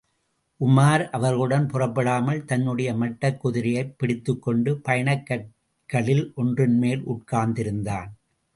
உமார் அவர்களுடன் புறப்படாமல் தன்னுடைய மட்டக்குதிரையைப் பிடித்துக்கொண்டு, பயணக் கற்களில் ஒன்றின்மேல் உட்கார்ந்திருந்தான்.